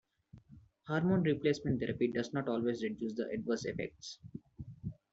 Hormone replacement therapy does not always reduce the adverse effects.